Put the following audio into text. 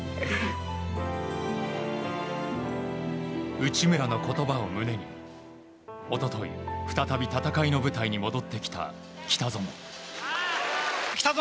内村の言葉を胸に一昨日、再び戦いの舞台に戻ってきた北園。